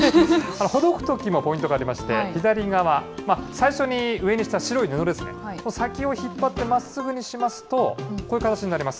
ほどくときもポイントがありまして、左側、最初に上にした白い布ですね、先を引っ張ってまっすぐにしますと、こういう形になります。